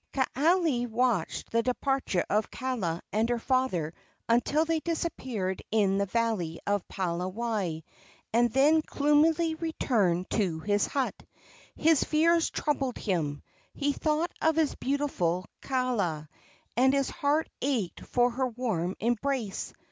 Kaaialii watched the departure of Kaala and her father until they disappeared in the valley of Palawai, and then gloomily returned to his hut. His fears troubled him. He thought of his beautiful Kaala, and his heart ached for her warm embrace.